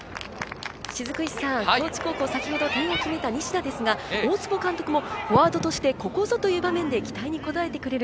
雫石さん、高知高校、先ほど点を決めた西田ですが、大坪監督もフォワードとしてここぞという場面で期待にこたえてくれる。